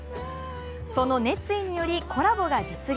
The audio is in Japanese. その熱意により、コラボが実現。